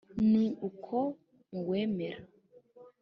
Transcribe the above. ni uko muwemera,